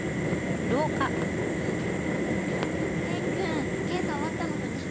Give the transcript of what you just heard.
礼くん検査終わったのかな？